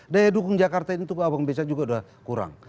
daya dukung jakarta ini tuh ke abang bca juga udah kurang